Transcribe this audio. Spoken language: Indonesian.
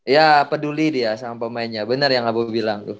ya peduli dia sama pemainnya benar yang abu bilang tuh